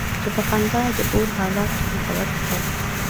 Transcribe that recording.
چې په خندا د اور حالاتو محبت کومه